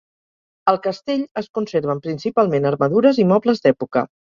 Al castell es conserven principalment armadures i mobles d'època.